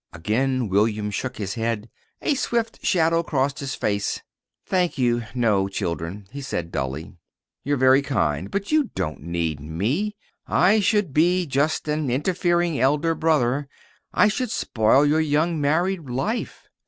Again William shook his head. A swift shadow crossed his face. "Thank you, no, children," he said dully. "You're very kind, but you don't need me. I should be just an interfering elder brother. I should spoil your young married life."